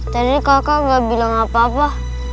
tadi kakak gak bilang apa apa